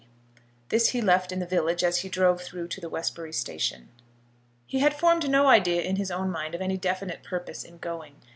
This he left in the village as he drove through to the Westbury station. He had formed no idea in his own mind of any definite purpose in going.